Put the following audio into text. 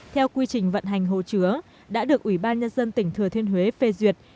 theo quy trình vận hành hồ chứa đã được ủy ban nhân dân tỉnh thừa thiên huế phê duyệt